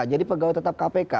jadi pegawai tetap kpk